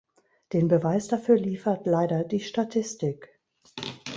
Den Beweis dafür liefert leider die Statistik.